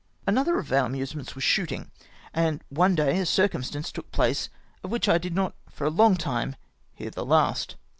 Another of our amusements was shooting ; and one day a ckcumstance took place of which I did not for a long time hear the last.